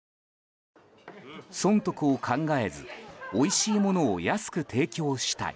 損得を考えずおいしいものを安く提供したい。